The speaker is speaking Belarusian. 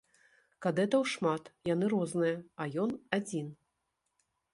Кадэтаў шмат, яны розныя, а ён адзін.